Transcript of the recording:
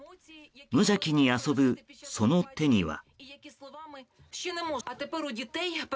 無邪気に遊ぶその手には。